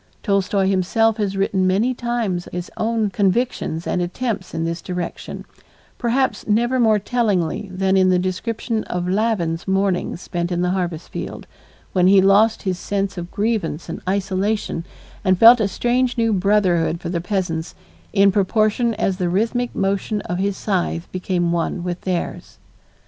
Tolstoy himself has written many times his own convictions and attempts in this direction, perhaps never more tellingly than in the description of Lavin's morning spent in the harvest field, when he lost his sense of grievance and isolation and felt a strange new brotherhood for the peasants, in proportion as the rhythmic motion of his scythe became one with theirs.